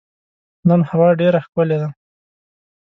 نن هوا ډېره ښکلې ده.